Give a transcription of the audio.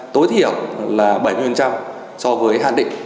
tối thiểu là bảy mươi so với hạn định